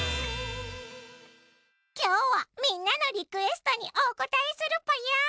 今日はみんなのリクエストにお応えするぽよ！